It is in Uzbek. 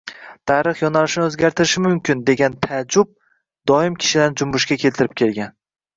tarix yo‘nalishini o‘zgartirishi mumkin” degan taajjub doim kishilarni jumbushga keltirib kelgan